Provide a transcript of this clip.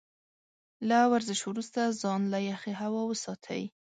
له ورزش وروسته ځان له يخې هوا وساتئ.